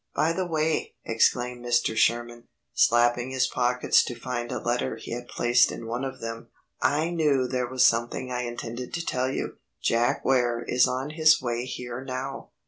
"By the way," exclaimed Mr. Sherman, slapping his pockets to find a letter he had placed in one of them, "I knew there was something I intended to tell you. Jack Ware is on his way here now."